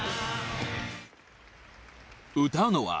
［歌うのは］